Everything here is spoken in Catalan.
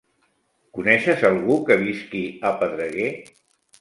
Coneixes algú que visqui a Pedreguer?